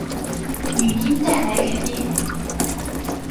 语音带来的改变